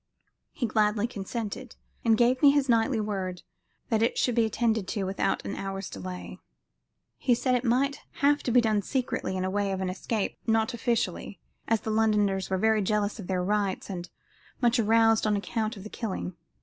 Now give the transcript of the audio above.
He gladly consented, and gave me his knightly word that it should be attended to without an hour's delay. He said it might have to be done secretly in the way of an escape not officially as the Londoners were very jealous of their rights and much aroused on account of the killing.